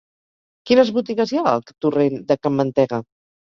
Quines botigues hi ha al torrent de Can Mantega?